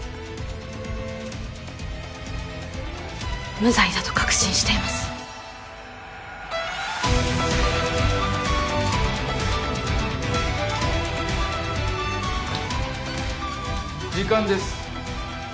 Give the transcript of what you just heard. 無罪だと確信しています時間です。